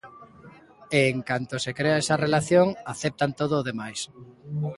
E en canto se crea esa relación, aceptan todo o demais.